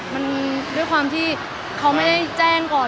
มันด้วยความที่เขาไม่ได้แจ้งก่อน